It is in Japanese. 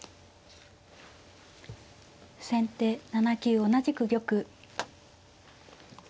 先手７九同じく玉。